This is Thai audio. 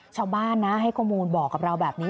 ชาวบ้านนะให้ข้อมูลบอกกับเราแบบนี้